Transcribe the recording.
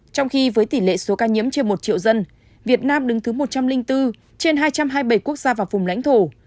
trong khi với tỷ lệ số ca nhiễm trên một triệu dân việt nam đứng thứ một trăm linh bốn trên hai trăm hai mươi bảy quốc gia và vùng lãnh thổ